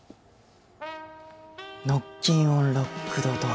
ノッキンオン・ロックドドア。